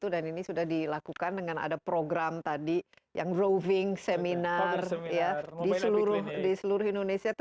dan ini sudah dilakukan dengan ada program tadi yang roving seminar di seluruh indonesia